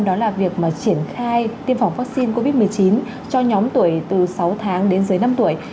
đó là việc triển khai tiêm phòng vaccine covid một mươi chín cho nhóm tuổi từ sáu tháng đến dưới năm tuổi